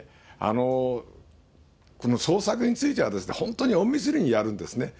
この捜索については、本当に隠密裏にやるんですね。